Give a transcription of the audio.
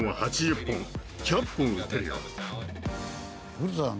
古田さん